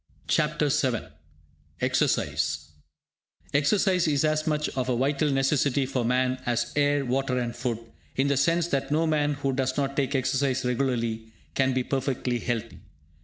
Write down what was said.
CHAPTER VII EXERCISE Exercise is as much of a vital necessity for man as air, water and food, in the sense that no man who does not take exercise regularly, can be perfectly healthy.